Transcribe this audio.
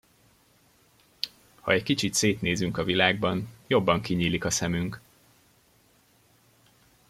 Ha egy kicsit szétnézünk a világban, jobban kinyílik a szemünk!